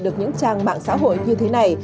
được những trang mạng xã hội như thế này